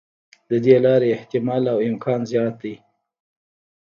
د دې لارې احتمال او امکان زیات دی.